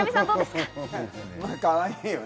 かわいいよね。